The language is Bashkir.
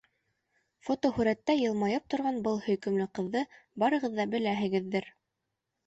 Фотоһүрәттә йылмайып торған был һөйкөмлө ҡыҙҙы барығыҙ ҙа беләһегеҙҙер.